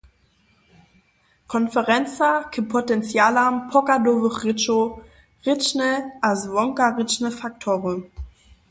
- konferenca k potencialam pochadowych rěčow – rěčne a zwonkarěčne faktory